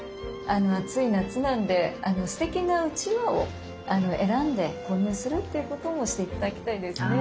暑い夏なんですてきなうちわを選んで購入するっていうこともして頂きたいですね。